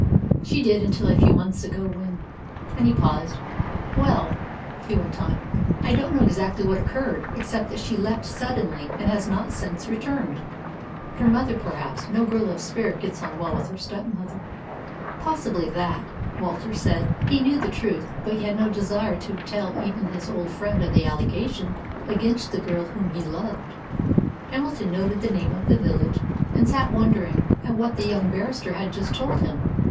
"She did until a few months ago, when " and he paused. "Well," he went on, "I don't know exactly what occurred, except that she left suddenly, and has not since returned." "Her mother, perhaps. No girl of spirit gets on well with her stepmother." "Possibly that," Walter said. He knew the truth, but had no desire to tell even his old friend of the allegation against the girl whom he loved. Hamilton noted the name of the village, and sat wondering at what the young barrister had just told him.